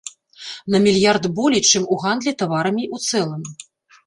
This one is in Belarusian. На мільярд болей, чым у гандлі таварамі ў цэлым.